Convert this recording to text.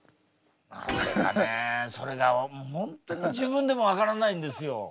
なぜかねえそれが本当に自分でも分からないんですよ。